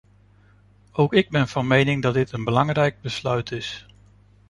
Ook ik ben van mening dat dit een belangrijk besluit is.